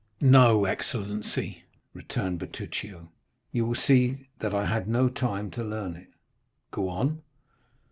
"No, excellency," returned Bertuccio; "you will see that I had no time to learn it." "Go on."